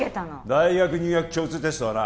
大学入学共通テストはな